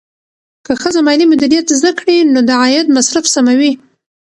که ښځه مالي مدیریت زده کړي، نو د عاید مصرف سموي.